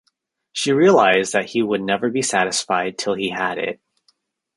She realised that he would never be satisfied till he had it.